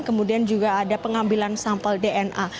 kemudian juga ada pengambilan sampel dna